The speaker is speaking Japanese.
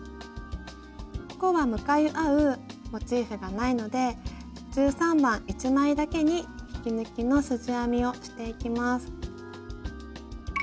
ここは向かい合うモチーフがないので１３番１枚だけに引き抜きのすじ編みをしていきます。